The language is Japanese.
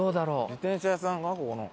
自転車屋さんかな？